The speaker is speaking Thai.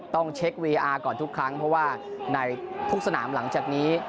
ต้องเช็ควีอาร์ก่อนทุกครั้งเพราะว่าในทุกสนามหลังจากนี้